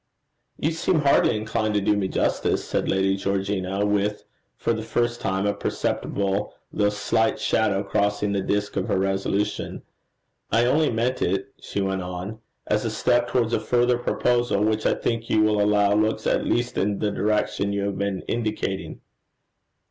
'You seem hardly inclined to do me justice,' said Lady Georgina, with, for the first time, a perceptible, though slight shadow crossing the disc of her resolution. 'I only meant it,' she went on, 'as a step towards a further proposal, which I think you will allow looks at least in the direction you have been indicating.'